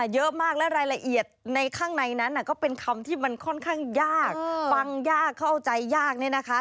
เยอะมากและรายละเอียดในข้างในนั้นก็เป็นคำที่มันค่อนข้างยากฟังยากเข้าใจยากเนี่ยนะคะ